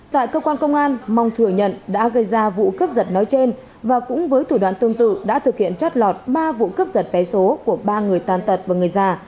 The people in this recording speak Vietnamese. tại cơ quan công an mong thừa nhận đã gây ra vụ cướp giật nói trên và cũng với thủ đoạn tương tự đã thực hiện trót lọt ba vụ cướp giật vé số của ba người tàn tật và người già